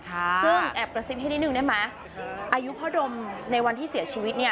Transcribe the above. ซึ่งแอบกระซิบให้นิดนึงได้ไหมอายุพ่อดมในวันที่เสียชีวิตเนี่ย